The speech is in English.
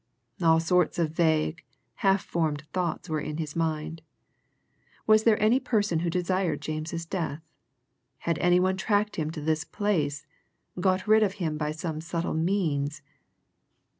All sorts of vague, half formed thoughts were in his mind. Was there any person who desired James's death? Had any one tracked him to this place got rid of him by some subtle means?